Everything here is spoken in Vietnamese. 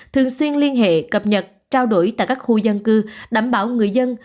thường xuyên liên hệ cập nhật trao đổi tại các khu dân cư đảm bảo người dân